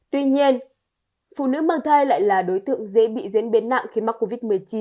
tuy nhiên phụ nữ mang thai lại là đối tượng dễ bị diễn biến nặng khi mắc covid một mươi chín